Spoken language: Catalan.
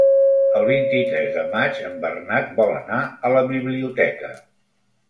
El vint-i-tres de maig en Bernat vol anar a la biblioteca.